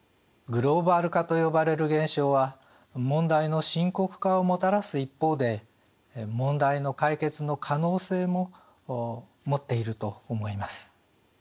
グローバル化と呼ばれる現象は問題の深刻化をもたらす一方で問題の解決の可能性も持っていると思います。